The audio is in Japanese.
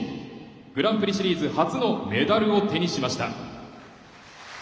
グランプリシリーズ初のメダルを手にしました。